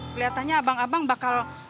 keliatannya abang abang bakal